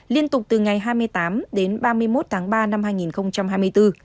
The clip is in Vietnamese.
liên tục từ ngày hai mươi tám đến ba mươi một tháng ba năm hai nghìn hai mươi bốn